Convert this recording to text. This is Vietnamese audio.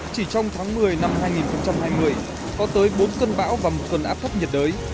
chỉ trong tháng một mươi năm hai nghìn hai mươi có tới bốn cơn bão và một cơn áp thấp nhiệt đới